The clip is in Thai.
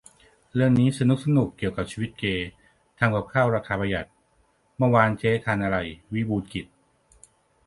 - เรื่องนี้สนุ๊กสนุก เกี่ยวกับชีวิตเกย์ ทำกับข้าวราคาประหยัด "เมื่อวานเจ๊ทานอะไร ?" วิบูลย์กิจ